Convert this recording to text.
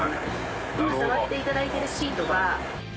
今触っていただいてるシートが。